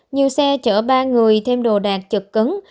nhiều xe chở ba người thêm đồ đạc chật cứng